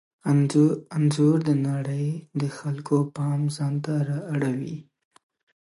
انځور د نړۍ د خلکو پام ځانته را اړوي.